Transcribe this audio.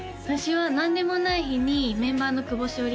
私は何でもない日にメンバーの久保史